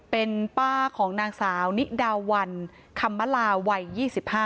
เป็นป้าของนางสาวนิดาวันคำมลาวัย๒๕